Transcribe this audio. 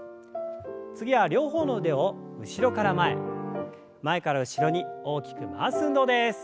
次は両方の腕を後ろから前前から後ろに大きく回す運動です。